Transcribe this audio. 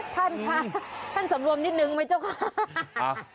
ท่านแล้วท่านสงบลวมนิดหนึ่งมั้ยเจ้าข้า